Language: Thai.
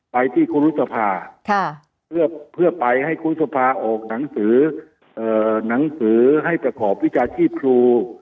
ไปที่ครูรุษภาค่ะเพื่อไปให้ครูรุษภาออกหนังสือเอ่อหนังสือให้ประขอบวิจาชีพภูมิ